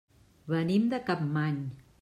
Venim de Capmany.